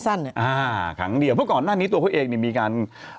อ่าครั้งเดียวเพราะก่อนหน้านี้ตัวเขาเองเนี่ยมีการ